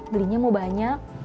belinya mau banyak